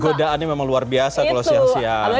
godaannya memang luar biasa kalau siang siang